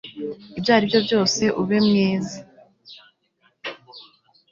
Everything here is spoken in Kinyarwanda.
Ibyo aribyo byose, ube mwiza.